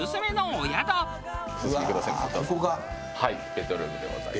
ベッドルームでございます。